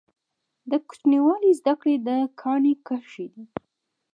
د کوچنیوالي زده کړي د کاڼي کرښي دي.